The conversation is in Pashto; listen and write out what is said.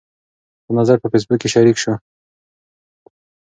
دا نظر په فیسبوک کې شریک شو.